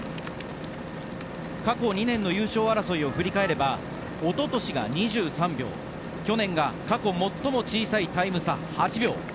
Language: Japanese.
過去２年の優勝争いを振り返ればおととしが２３秒去年が過去最も小さいタイム差８秒。